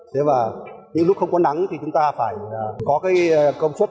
thế và những lúc không có nắng thì chúng ta phải có cái công suất